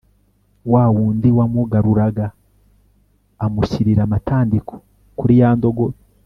wa wundi wamugaruraga amushyirira amatandiko kuri ya ndogobe